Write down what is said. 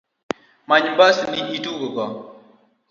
Many mbasni itug go.